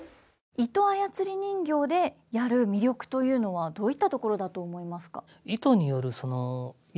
糸あやつり人形でやる魅力というのはどういったところだと思いますか？